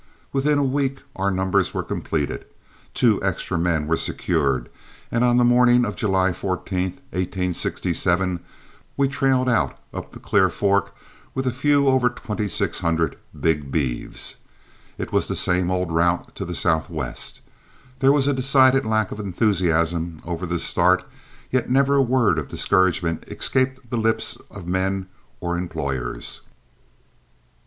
Within a week our numbers were completed, two extra men were secured, and on the morning of July 14, 1867, we trailed out up the Clear Fork with a few over twenty six hundred big beeves. It was the same old route to the southwest, there was a decided lack of enthusiasm over the start, yet never a word of discouragement escaped the lips of men or employers.